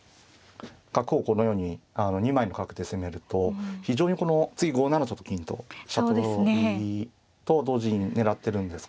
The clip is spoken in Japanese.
角をこのように２枚の角で攻めると非常にこの次５七とと金と飛車取りと同時に狙ってるんですけれども。